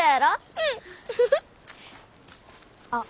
うん。あっ。